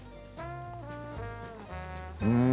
うん。